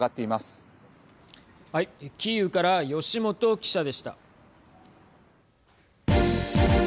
キーウから吉元記者でした。